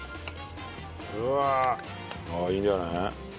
うわ。ああいいんじゃない？